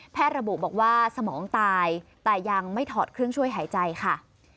ระบุบอกว่าสมองตายแต่ยังไม่ถอดเครื่องช่วยหายใจค่ะ